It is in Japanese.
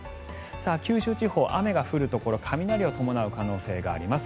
九州地方、雨が降るところ雷を伴う可能性があります。